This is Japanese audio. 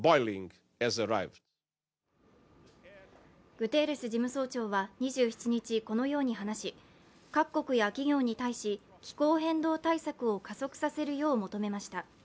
グテーレス事務総長は２７日、このように話し各国や企業に対し、気候変動対策を加速させるよう求めました。